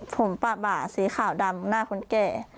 ผมปะบ่าสีขาวดำหน้าคนแก่